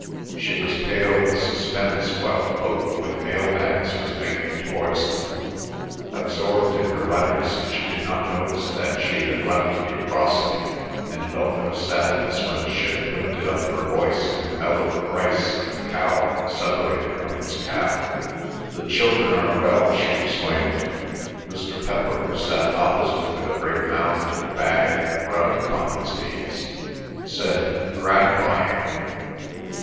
She was pale with suspense while the boat with mail bags was making towards them. Absorbed in her letters she did not notice that she had left the Euphrosyne, and felt no sadness when the ship lifted up her voice and bellowed thrice like a cow separated from its calf. "The children are well!" she exclaimed. Mr. Pepper, who sat opposite with a great mound of bag and rug upon his knees, said, "Gratifying."